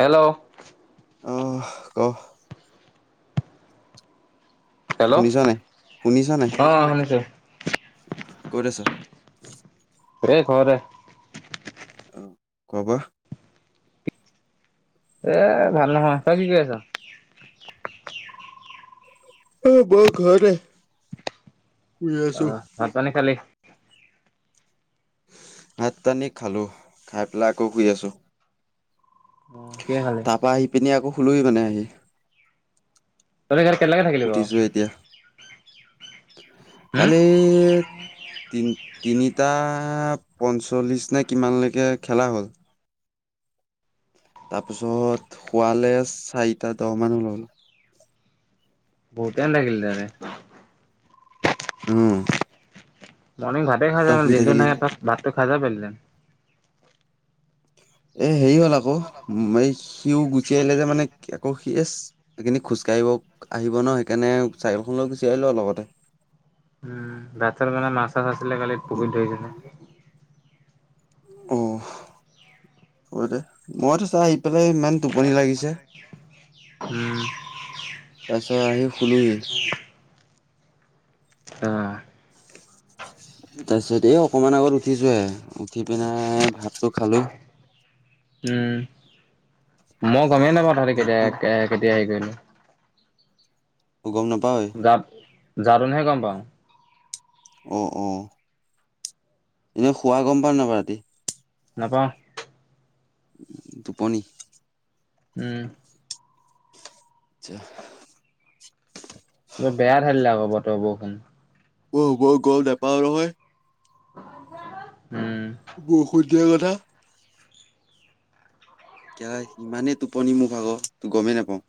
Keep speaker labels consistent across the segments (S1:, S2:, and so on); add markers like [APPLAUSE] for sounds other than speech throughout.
S1: Hello.
S2: অহ ক।
S1: Hello
S2: শুনিছ নাই, শুনিছ নাই?
S1: অ শুনিছো।
S2: ক'ত আছ?
S1: এই ঘৰতে।
S2: অ', খোৱা-বোৱা?
S1: এ, ভাল নহয়। তই কি কৰি আছ?
S2: অ', মই ঘৰতে। শুই আছো
S1: অ', ভাত-পানী খালি?
S2: ভাত-পানী খালোঁ। খাই পেলাই আকৌ শুই আছোঁ।
S1: অ কিহে খালি
S2: তাপা আহি-পিনি আকৌ শুলোহি মানে আহি।
S1: তহঁতে কালি কেইটালৈকে থাকিলি
S2: উঠিছো এতিয়া
S1: বাৰু? হম
S2: কালি তিন তিনিটা পঞ্চল্লিশ নে কিমানলৈকে খেলা হ'ল তাৰপিছত খোৱালে চাৰিটা দহ মান হ'ল।
S1: বহুত টাইম থাকিলি তেতিয়াহলে।
S2: উম।
S1: মৰ্নিং ভাতেই খাই যোৱা
S2: তই
S1: নাই,
S2: শুই
S1: দিনটো
S2: থাকিলি
S1: নাইয়ে তাত ভাত। তই খাই যাব পাৰিলিহেঁতেন।
S2: এ হেৰি হ'ল আকৌ, উম, এ-এই সিও গুচি আহিলে যে মানে, আকৌ সি এচ এইখিনি খোজকাঢ়িব-আহিব ন, সেইকাৰণে চাইকেলখন লৈ গুচি আহিলোঁ আৰু লগতে।
S1: উম, ভাত-চাত মানে মাছ-চাছ আছ লে, কালি পুখুৰীত ধৰিছিলে।
S2: অ', হ'ব দে, মই থৈছ পা আহি পেলাই ইমান টোপনি লাগিছে,
S1: উম
S2: তাৰপিছত আহি শুলোহি।
S1: অ'।
S2: তাৰপিছত এই অকমান আগত উঠিছোহে। উঠি পিনাই ভাত টো খালো।
S1: মগ গমেই নাপাওঁ তহঁতি কেতিয়া
S2: ভাতটো
S1: আ-কেতিয়া হেৰি কৰিলি।
S2: গম নাপাৱয়ে?
S1: গাত যাওঁতেনেহে গম পাওঁ।
S2: অ', অ'। এনেই শুৱা গম পাৱনে নাপাৱ ৰাতি?
S1: নাপাওঁ।
S2: টোপনি।
S1: উম।
S2: আচ্ছা।
S1: বৰ বেয়া ধালিলে আকৌ বতৰ-বৰষুন।
S2: অ', মই গম নেপাও নহয়।
S1: [UNINTELLIGIBLE]
S2: বৰষুণ তোৰহে কথা। কিয়া ইমানে টোপনি মোৰ ভাগৰ, গমেই নোপাও।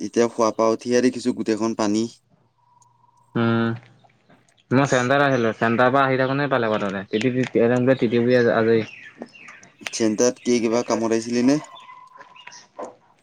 S2: তেতিয়া শুৱাপা উঠিয়ে দেখিছোঁ গোটেইখন পানী।
S1: হম, মই [UNINTELLIGIBLE] চেণ্টাৰ পৰা আহি থাকোতে পালে বতৰে। [UNINTELLIGIBLE]
S2: চেণ্টাত কি কিবা কামত আহিছিলি নে?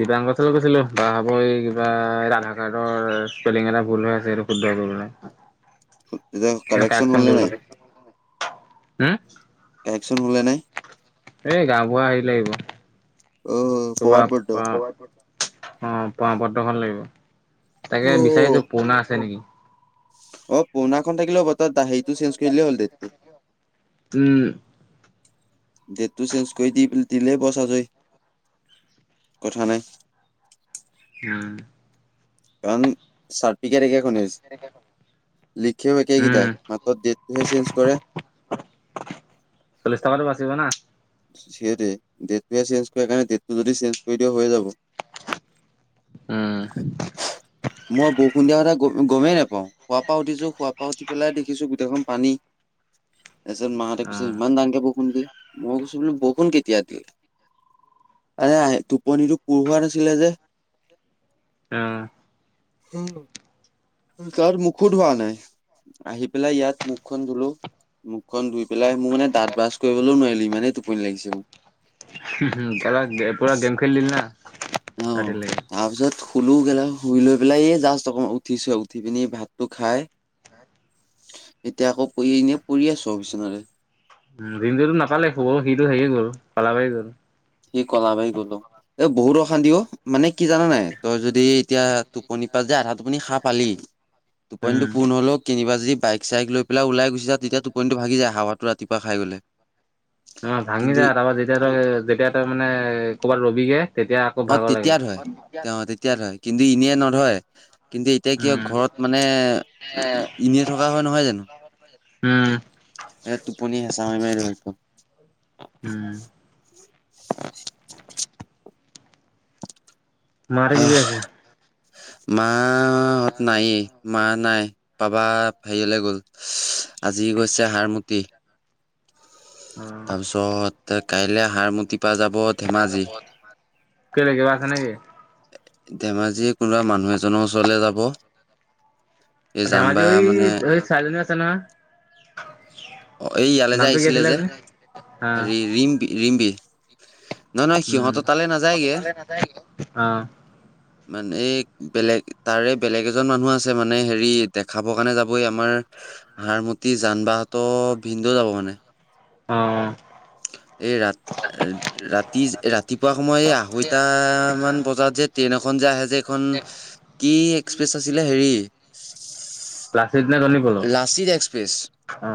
S1: দিপাংক ওচৰলৈ গৈছিলো। তাপা আকৌ এই কিবা আধাৰ কাৰ্ডৰ স্পেলিং এটা ভুলহৈ আছে, শুদ্ধ কৰিবলৈ।
S2: [UNINTELLIGIBLE]
S1: মানে
S2: কাৰেকশ্যন
S1: কাৰেকচন
S2: হ'লেনৈ
S1: কৰিবলৈ
S2: নাই?
S1: হম?
S2: কাৰেকশ্যন হ'লনে নাই?
S1: এই গাঁওবুঢ়া হেইলাগিব,
S2: অ'
S1: তোমা
S2: প্ৰবাদ
S1: আ
S2: বৰ্ত
S1: [UNINTELLIGIBLE] অ', প্রমাণপত্র খন লাগিৱ। তাকে
S2: অ'
S1: বিচাৰিছো পুৰণা আছে নেকি।
S2: অ', পুৰণাখন থাকিলেও বত ততা হেৰিটো চেঞ্জ কৰিলে হ'ল ডেটটো।
S1: উম,
S2: ডেটটো চেঞ্জ কৰি দি দিলেই বচ হৈ যায়, কথা নাই।
S1: উম।
S2: [UNINTELLIGIBLE] ঠিকে, ঠিকে শুনি আছ, লিখেও
S1: উম।
S2: একেকেইটাই মাত্ৰ ডেটটো হে চেঞ্জ কৰে।
S1: চল্লিশ টকাটো বাচিব না
S2: সেইটোৱে ডেটটোহে চেঞ্জ কৰে কাৰণে ডেটটো যদি চেঞ্জ কৰি দিয়া হৈ যাব।
S1: উম।
S2: মই বৰষুণ দিয়া কথা গ-গমেই নাপাওঁ শুৱা পা উঠিছোঁ শুৱা পা উঠি পেলাই দেখিছোঁ গোটেইখন পানী। তাৰছত মাহঁতে কৈছে
S1: অ'।
S2: ইমান [UNINTELLIGIBLE] মই কচ বষুণ কেতিয়া দিল, এৰে টোপনীটো পূৰ হোৱা নাছিলে যে।
S1: উম।
S2: হম। কাৰ মুখো ধোৱা নাই আহি পেলাই ইয়াত মুখখন ধুলো, মুখখন ধুই পেলাই মোৰ মানে দাঁত ব্ৰাছ কৰিবলৈও নোৱাৰিলি ইমানেই টোপনি লাগিছে মোক।
S1: [UNINTELLIGIBLE] পুৰা গেম খেলিলি না। ৰাতিলেকে
S2: শুলোঁ [UNINTELLIGIBLE] শুই লৈ পেলাই এই জাষ্ট অকমান উঠিছোঁ উঠি পিনি ভাতটো খাই, এতিয়া আকৌ পৰি এনে পৰি আছোঁ আৰু বিচনাতে
S1: [UNINTELLIGIBLE] সিটো হেৰি গ'ল, কালাবাৰি গ'ল।
S2: সি কলাবাৰি গ'ল অ', বহুত অশান্তি অ', মানে কি জান নাই? তই যদি এতিয়া টোপনি পা যে, আধা টোপনি সাৰ পালি
S1: উম
S2: টোপনিটো পুৰ নহ'লেয়ো কেনিবা যি বাইক, চাইক লৈ পেলাই ওলাই গুচি যাওঁ তেতিয়া টোপনিটো ভাগি যায় হাৱাটো ৰাতিপুৱা খাই গ'লে।
S1: অ', ভাঙি
S2: কিন্তু
S1: যায় তাপা যেতিয়া তই‌-যেতিয়া [UNINTELLIGIBLE] মানে ক'ৰবাত ৰবি গে তেতিয়া আকৌ
S2: অ'
S1: ভাগৰ লাগে।
S2: তেতিয়া ধৰে তেওঁ তেতিয়া ধৰে কিন্তু ইনেই নধৰে। কিন্তু এতিয়া কি হয়,
S1: উম
S2: ঘৰত মানে এনেই থকা হয়, নহয় জানো?
S1: উম
S2: এ, টোপনিয়ে হেঁচা মাৰি, মাৰি ধৰিব।
S1: উম। মাহঁতে কি কৰি আছে?
S2: মা অ', নাইয়ে মা নাই, পাপা হেৰিয়লে গ'ল, আজি গৈছে হাৰমতি।
S1: অ
S2: তাৰপিছত [UNINTELLIGIBLE] কাইলে হাৰমতি পা, যাব ধেমাজি।
S1: কেলে কিবা আছে নেকি?
S2: ধেমাজি কোনোবা মানুহ এজনৰ ওচৰলে যাব। এই জান বা
S1: ধেমাজিৰ
S2: মানে
S1: [UNINTELLIGIBLE] [UNINTELLIGIBLE]
S2: অ', ইয়ালৈ যে, আহিছিলে যে,
S1: অ
S2: হেৰি ৰিম-ৰিম্পী।
S1: উম, সিহঁত
S2: নাযায়গে
S1: তালে নাযায়গে, অ'।
S2: মানে এই বেলেগ তাৰে বেলেগ এজন মানুহ আছে মানে হেৰি দেখাব কাৰণে যাবই আমাৰ হাৰমতি জান বাহঁত ত' ভিনদেউ যাব মানে।
S1: অ'।
S2: এই ৰাত-ৰাতি [UNINTELLIGIBLE] ৰাতিপুৱা সময় এই আঢ়ৈটামান বজাত যে, ট্ৰেইন এখন যে, আহে যে, এইখন কি এক্সপ্ৰেছ আছিলে? হেৰি
S1: [UNINTELLIGIBLE]
S2: লাচিত এক্সপ্ৰেছ।
S1: অ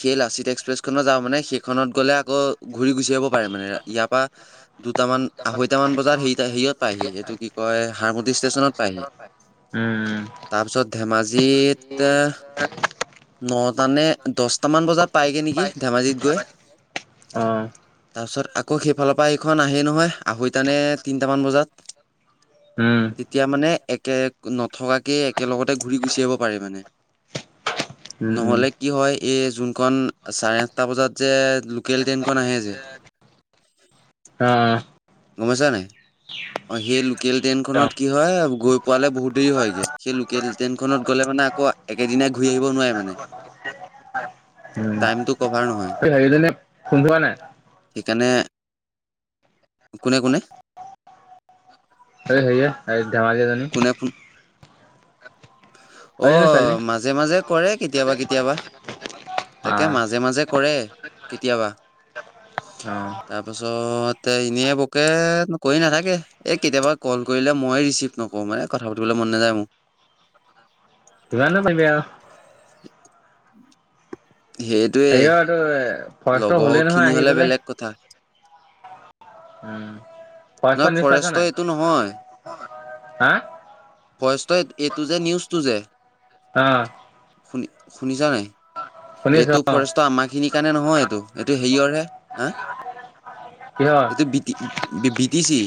S2: সেই লাচিত এক্সপ্ৰেছখনত যাব মানে, সেইখনত গ'লে আকৌ ঘূৰি গুচি আহিব পাৰে মানে, ইয়াৰ পা দুটামান আঢ়ৈটামান বজাত সেই হেৰিত-হেৰিয়ত পায়হি এইটো কি কয়, হাৰমতি ষ্টেচনত পায়হি।
S1: উম উম
S2: তাৰপিছত ধেমাজিত তাৰ, নটা নে দছটামান বজাত পায়গে নেকি ধেমাজিত গৈ,
S1: অ
S2: তাৰপিছত‌ আক আকৌ সেইফালৰ পৰা এইখন আহেই নহয়, আহৈটা নে তিনিটামান বজাত।
S1: উম
S2: তেতিয়া মানে এক কে, নথকাকেই একেলগতে ঘূৰি গুচি আহিব পাৰে মানে।
S1: উম উম
S2: নহ'লে কি হয়, এই যোন [UNINTELLIGIBLE] চাৰে আঠটা বজাত যে লোকেল ট্ৰেইনখন আহে যে
S1: অ
S2: গম পাইছা নে নাই? অ', সেই লোক লোকেল
S1: অ
S2: ট্ৰেইনখনত কি হয়, গৈ পোৱালে বহুত দেৰি হয়গে সেই লোকেল ট্ৰেইনখনত গ'লে মানে আকৌ একেদিনাই ঘূৰি আহিব নোৱাৰে মানে।
S1: উম,
S2: টাইমটো কভাৰ নহয়
S1: এই হেৰি [UNINTELLIGIBLE] ফোন কৰা নাই?
S2: সেইকাৰণে কোনে, কোনে?
S1: [UNINTELLIGIBLE] ধেমাজি জনী
S2: কোনে ফোন অ', মাজে, মাজে কৰে কেতিয়াবা, কেতিয়াবা তাকে
S1: আহ
S2: মাজে, মাজে কৰে, কেতিয়াবা
S1: অ
S2: তাৰপাছত তাই [UNINTELLIGIBLE] কৰি নাথাকে, এই কেতিয়াবা ক'ল কৰিলে মই ৰিচিভ নকৰোঁ মানে কথা পাতিবলৈ মন নাযায় মোৰ।
S1: [UNINTELLIGIBLE] [UNINTELLIGIBLE] হ'লেই নহয়
S2: লগৰখিনি
S1: আহি
S2: হ'লে
S1: পেলাই
S2: বেলেগ কথা।
S1: উম।
S2: নহয়
S1: নিউজ পাইছ
S2: ফৰেষ্টৰ
S1: নাই
S2: এইটো নহয়
S1: হা
S2: ফৰেষ্টৰ এইটো নিউজটো যে
S1: অ
S2: শুনিছা নাই?
S1: শুনিছো
S2: এইটো
S1: অ
S2: ফৰেষ্টৰ আমাৰখিনি সেইকাৰণে নহয় এইটো, এইটো হেৰিয়ৰহে। হা?
S1: কিহৰ
S2: সেইটো বি [UNINTELLIGIBLE] চি।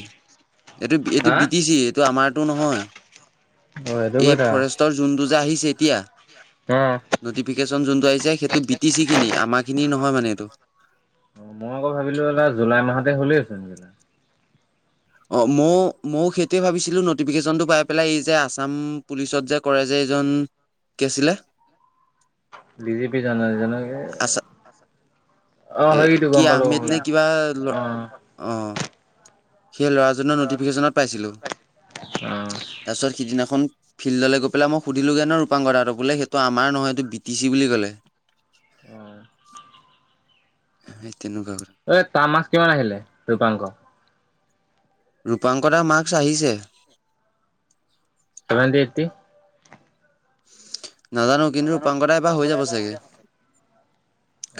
S2: এইটো, এইটো
S1: হা
S2: বি টি চি। এইটো আমাৰ টো নহয়।
S1: অ সেইটো
S2: এই ফৰেষ্টৰ যোনটো [UNINTELLIGIBLE] আহিছে এতিয়া
S1: হ।
S2: [UNINTELLIGIBLE] আহিছে সেইটো বি টি চি খিনি আমাৰ খিনি নহয় মানে এইটো।
S1: [UNINTELLIGIBLE] ভাবিলো এটা জুলাই মাহতে হ'লেই [UNINTELLIGIBLE]
S2: অ মও ম ও সেইটোৱে ভাবিছিলো নটিফিকেশনটো পাই পেলাই এই যে আছাম পুলিচত কৰে যে এইজন কি আছিলে আছা
S1: [UNINTELLIGIBLE] অ
S2: এ
S1: সেইটো
S2: কি
S1: গম পালো গম
S2: আহমেদ
S1: পালো
S2: নে কিবা ল
S1: অ
S2: অ'। সেই ল'ৰাজনৰ ন'টিফিকেশ্যনত পাইছিলোঁ,
S1: অ
S2: তাৰপিছত সিদিনাখন ফিল্ডলৈ গৈ পেলাই মই সুধিলোগে ন ৰূপাংকৰ [UNINTELLIGIBLE] বোলে সেইটো আমাৰ নহয় এইটো বি টি চি বুলি ক'লে। হয়'।
S1: এই তাৰ মাৰ্ক্স কিমান আহিলে ৰূপাংক।
S2: ৰূপাংকৰ মাৰ্ক্স আহিছে।
S1: [UNINTELLIGIBLE]
S2: নাজানো কিন্তু ৰূপাংকতা দাএবাৰ হৈ যাব চাগে।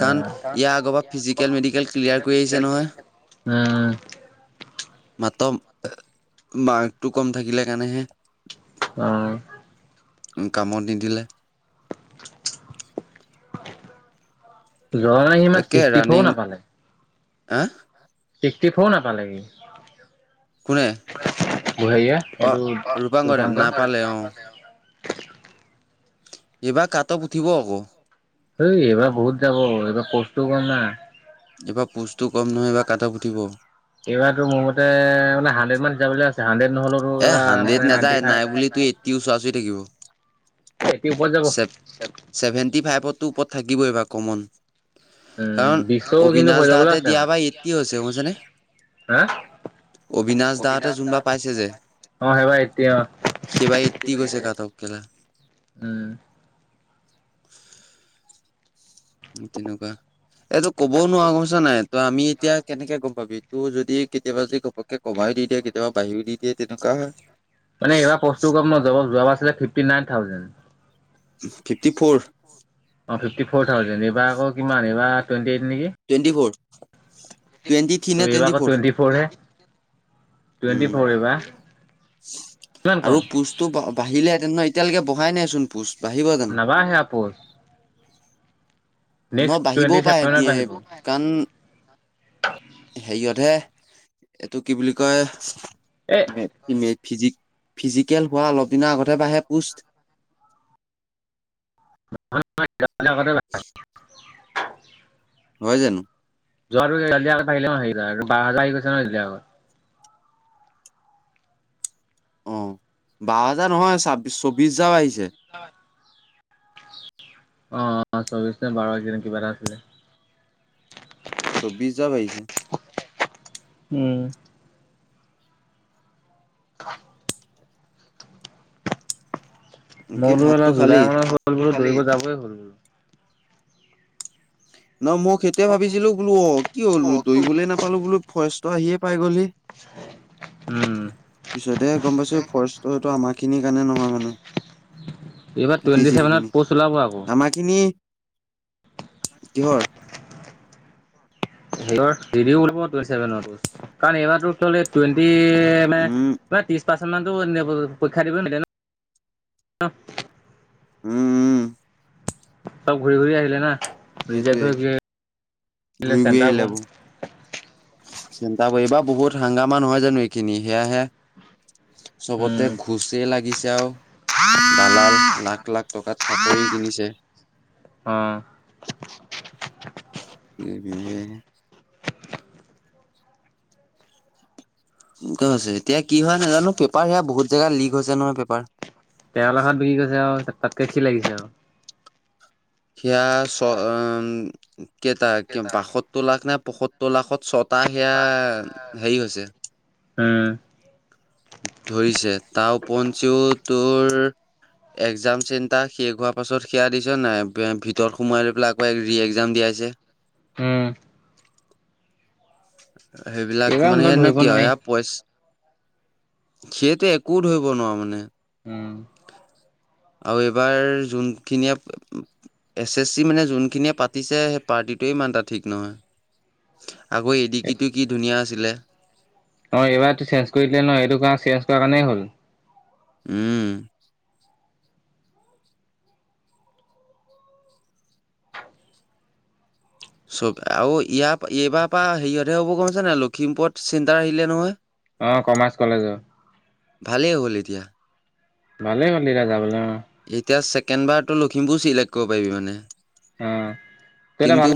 S2: কাৰণ ইয়াৰ আগৰ পৰা ফিজিকেল মেডিকেল ক্লিয়াৰ কৰি আহিছে নহয়,
S1: উম
S2: মাত্ৰ মাৰ্কটো কম থাকিলে কাৰণেহে।
S1: অ'।
S2: কামত নিদিলে।
S1: [INAUDIBLE] লৰা নি ইমান
S2: তাকে
S1: ছিক্সটি ফৰও
S2: ৰানিং
S1: নাপালে?
S2: হা'।
S1: [UNINTELLIGIBLE]
S2: কোনে
S1: বুঢ়াৰীয়ে
S2: অ,
S1: এইটো
S2: ৰূপাংগণ
S1: ৰূপাংকৰ
S2: নাপালে অ,। এইবাৰ কাট উঠিব আকৌ
S1: ঐ এইবাৰ বহুত যাব এইবাৰ, এইবাৰ পোষ্টটো কম না।
S2: এইবাৰ পোষ্টটো কম নহয় কাটোফ উঠিব।
S1: এইবাৰো মোৰ মতে মানে, হাণ্ড্ৰেড মান যাবলৈ আছে। হাণ্ড্ৰেড নহ'লেতো
S2: এ হাড্ৰেড
S1: মানে নাইনটি
S2: নাযায়,
S1: ফাইভ
S2: নাই বুলি ত' এইট্টি ওচৰা ওচৰি থাকিব।
S1: এইট্ৰিৰ ওপৰত যাব।
S2: টো ওপৰত থাকিবই বা কমন।
S1: উম
S2: কাৰণ
S1: বিশও কিন্তু হৈ
S2: অবিনাশ
S1: যাবলৈ
S2: দাহঁতে
S1: আছে
S2: দিয়া
S1: আৰু
S2: বা এইট্টি হৈছে শুনিছেনে,
S1: হা
S2: অবিনাশ দাহঁতে যোনবাৰ পাইছে যে,
S1: অ সেইবাৰ এতিয়া
S2: সেইবাৰ এইট্টি গৈছে কাটঅফ [UNINTELLIGIBLE]
S1: উম
S2: তেনেকুৱা। এইটো ক'বও নোৱাৰো ছানে, নে, ত' আমি এতিয়া, কেনেকে গম পাবি? তোৰ যদি কেতিয়াবা যদি ঘপককে কমাইও দি দিয়ে, কেতিয়াবা বাঢ়িও দি দিয়ে তেনেকুৱা হয়।
S1: মানে এইবাৰ পোষ্টটো কম ন, যোৱা যোৱাবা ইবাৰ fifty nine thousand.
S2: Fifty four.
S1: অ ফিফটি ফ'ৰ থাউজেন, ্ড এইবাৰ আকৌ কিমান, এইবাৰ twenty
S2: twenty for. [UNINTELLIGIBLE] Twenty three
S1: ত'
S2: নে
S1: এইবাৰ আকৌ টুৱেণ্টি ফৰ হে, টুৱেণ্টি
S2: উম
S1: ফৰ এইবাৰ। কিমান
S2: আৰু
S1: কম
S2: পোষ্টটো বাহি দিলেহেঁতেন ন এতিয়ালেকে, বহাই নাই চোন পোষ্ট। বাঢ়িব জানো
S1: নাবাহে আৰু পোষ্ট।
S2: ন বাহিবও পাৰে
S1: চেভেনত
S2: দিয়ে,
S1: বাঢ়িব।
S2: কাৰণ হেৰিয়তহে, এইটো কি বুলি কয় এ ইমেক ফিজি ফিজিকেল হোৱা অলপ দিনৰ আগতে বাহে পোষ্ট।
S1: [UNINTELLIGIBLE]
S2: হয় জানো?
S1: যোৱা [UNINTELLIGIBLE]
S2: অ', বাৰ' হাজাৰ নহয়, চাব্বি চৌবিশ হাজাৰ আহিছে।
S1: হয়। অ', চৌবিশ নে বাৰ এই কেইদিন, কিবা এটা আছিলে।
S2: চৌবিশ যাৰ বাহিছে।
S1: উম। [UNINTELLIGIBLE]
S2: কি
S1: মই বোলো
S2: ভাতটো
S1: [UNINTELLIGIBLE] জুলাই
S2: খালি
S1: মানত দৌৰিব যামেই বোলো।
S2: [UNINTELLIGIBLE] ন' মোক সেইটোৱে ভাবিছিলো বোলো, অ', কি হ'ল বোলো দৌৰিবলে নাপালো বোলো ফাৰ্ষ্ট তই আহিয়ে পাই গলি
S1: উম।
S2: দে গম পাইছো ফৰেষ্টটো আমাৰ খিনিৰ কাৰণে নহয় মানে।
S1: এইবাৰ
S2: পি টি চি
S1: টুৱেণ্টি
S2: খিনি
S1: ছেভেনত প'ষ্ট ওলাব আকৌ।
S2: আমাৰ খিনি কিহৰ
S1: ৰেলৰ ৰিভিউ উলাব টুৱেন্টি চেভেনৰটো কাৰন এইবাৰটো [UNINTELLIGIBLE] টুৱেন্টি এমএ
S2: উম
S1: তই তিছ পাছ সন্মানটো কত যাবগৈ পৰীক্ষা দিব নিদিয়ে ন।
S2: উম।
S1: চব ঘূৰি ঘূৰি আহিলে না।
S2: সেইটোৱে
S1: নিজে [UNINTELLIGIBLE]
S2: [UNINTELLIGIBLE] চিন্তা কৰিবা বহুত হাংগাামান নহয় জানো এইখিনি সেয়াহে চবতে
S1: উম
S2: ঘুচে লাগে। [UNINTELLIGIBLE] দালাল লাখ, লাখ টকাত চাকৰি কিনিছে।
S1: অ
S2: [UNINTELLIGIBLE] ইতাও আচে এতিয়া কি হয় নাজানো পেপাৰ সেয়া বহুত জেগা লিক হৈছে নহয় পেপাৰ।
S1: তেৰ লাখত বিক্ৰী গৈছে আৰু। তাতকে কি লাগিছে আৰু
S2: সেইয়া, চ উম কেইটা। কে, বাশটোৰ লাখ নে পখত্বৰ সত্তৰ লাখ ত ছট তাৰ সেয়া হেৰি হৈছে
S1: উম।
S2: ধৰিছে তাৰ পঞ্চিও তোৰ একজাম চেণ্টাৰ শেষ হোৱাৰ পাছত সেয়া দিছ নাই। ভিতৰত সোমাই লৈ পেলাই আকৌ ৰি একজাম দিয়াইছে।
S1: উম
S2: [INAUDIBLE] সেইবিলাক
S1: এইবাৰ
S2: মানে
S1: মুঠত
S2: নু
S1: ধৰিব
S2: কিয়।
S1: নোৱাৰি
S2: এইয়া পইছা সেইটোৱে। একো ধৰিব নোৱাৰো মানে।
S1: উম
S2: আৰু এইবাৰ যোনখিনিয়ে এছ, এছ চি মানে যোনখিনিয়ে পাতিছে সেই পাৰ্টিটোৱে ইমান এটা ঠিক নহয়। আকৌ এডি কিটো কি ধুনীয়া আছিলে।
S1: অঁ এইবাৰটো চেঞ্জ কৰি দিলে ন। এইটো কাৰনে চেঞ্জ কৰা কাৰণেই হ'ল।
S2: উম। চব আৰু ইয়াৰ এইবাৰ পৰাৰা হেৰিয়তহে হ'ব গম পাইছেনেনাই, লখিমপুৰত চেণ্টাৰ আহিলে নহয়।
S1: অঁ কমাৰ্চ কলেজত।
S2: ভালেই হ'ল এতিয়া
S1: ভালে হ'ল তেতিয়া যাবলৈ
S2: এতিয়া চেক কেনবাৰ টো লখিমপুৰ চিলেক্ট কৰিব পাৰিবি মানে?
S1: অ তেন্তে ভাল
S2: কিন্তু